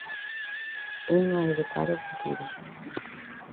Unha é de cara ao futuro.